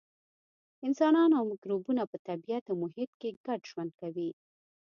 انسانان او مکروبونه په طبیعت او محیط کې ګډ ژوند کوي.